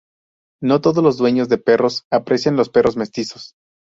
No todos los dueños de perros aprecian los perros mestizos.